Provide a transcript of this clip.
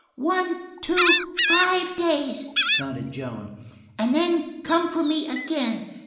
"One, two, five days," counted Joan, "and then come for me again.